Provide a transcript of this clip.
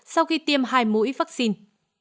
sau khi tiêm hai mũi vaccine